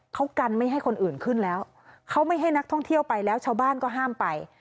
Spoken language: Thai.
เขากันไม่ให้คนอื่นขึ้นแล้วเขาไม่ให้นักท่องเที่ยวไปแล้วชาวบ้านก็ห้ามไป